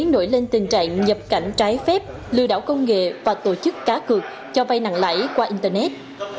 nổi lên tình trạng nhập cảnh trái phép lừa đảo công nghệ và tổ chức cá cược cho vay nặng lãi qua internet